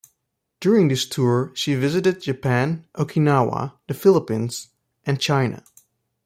During this tour, she visited Japan, Okinawa, the Philippines, and China.